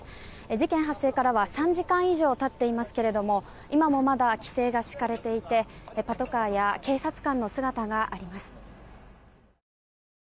事件発生からは３時間以上経っていますけれども今もまだ規制が敷かれていてパトカーや警察官の姿があります。